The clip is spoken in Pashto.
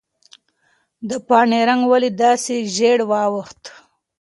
د پاڼې رنګ ولې داسې ژېړ واوښت؟